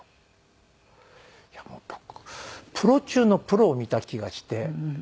いやもう僕プロ中のプロを見た気がして。